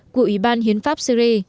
của ủy ban hiến pháp syri